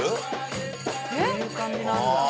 こういう感じなんだ。